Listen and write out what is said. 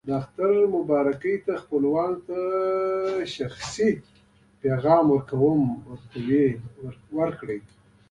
اختر مبارکي ته خپلوانو ته شخصي پیغام ورکړئ.